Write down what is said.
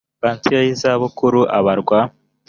pansiyo y’izabukuru abarwa